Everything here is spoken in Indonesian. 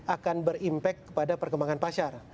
akan berimpak kepada perkembangan pasar